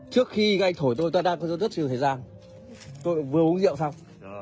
trước khi anh thổi tôi tôi đang có rất nhiều thời gian tôi vừa uống rượu xong